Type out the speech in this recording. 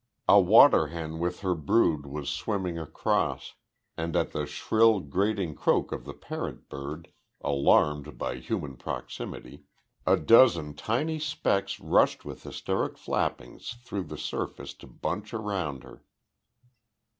A waterhen with her brood was swimming across, and at the shrill, grating croak of the parent bird, alarmed by human proximity, a dozen tiny black specks rushed with hysteric flappings through the surface to bunch around her.